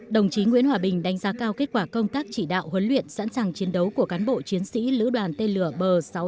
đồng chí nguyễn hòa bình đánh giá cao kết quả công tác chỉ đạo huấn luyện sẵn sàng chiến đấu của cán bộ chiến sĩ lữ đoàn tên lửa bờ sáu trăm sáu mươi